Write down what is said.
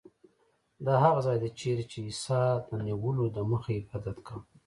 دا هغه ځای دی چیرې چې عیسی د نیولو دمخه عبادت کاوه.